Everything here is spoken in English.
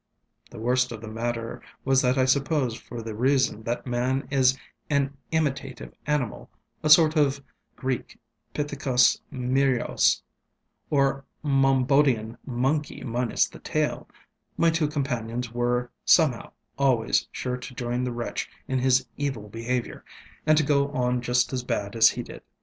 The worst of the matter was that I suppose for the reason that man is an imitative animal, a sort of ŽĆ╬╣╬Ė╬Ę╬║╬┐Žé ╬╝ŽģŽēŽü╬┐Žé, or Monboddian monkey minus the tailŌĆömy two companions were, somehow, always sure to join the wretch in his evil behavior, and to go on just as bad as he did.